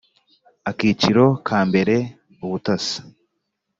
Akiciro ka mbere Ubutasi